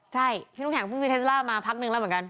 ใช่พี่น้ำแข็งเพิ่งซื้อเทสล่ามาพักนึงแล้วเหมือนกัน